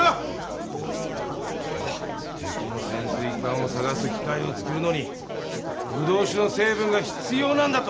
敵の潜水艦を探す機械を作るのにブドウ酒の成分が必要なんだと。